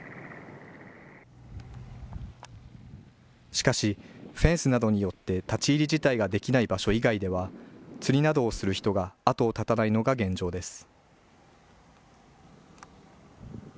しかし、フェンスなどによって立ち入り自体ができない場所以外では釣りなどをする人があとを絶たないのが現状です。